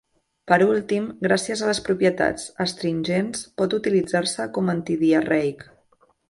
Per últim gràcies a les propietats astringents pot utilitzar-se com antidiarreic.